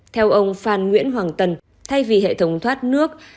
theo ông phan nguyễn hoàng tân thay vì hệ thống thoát nước